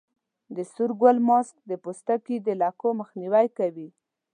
د سور ګل ماسک د پوستکي د لکو مخنیوی کوي.